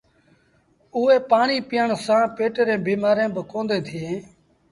اُئي ڦآڻيٚ پيٚئڻ سآݩ پيٽ ريٚݩ بيٚمآريٚݩ با ڪونديٚݩ ٿئيٚݩ۔